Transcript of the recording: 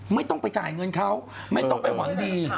ไม่ต้องไปจ่ายเงินเขาไม่ต้องไปหวังดี